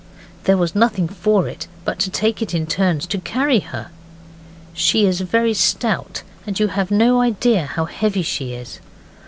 There was nothing for it but to take it in turns to carry her. She is very stout, and you have no idea how heavy she is.